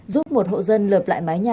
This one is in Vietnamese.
giúp một hộ dân lợp